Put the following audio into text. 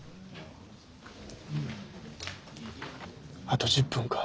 あと１０分か。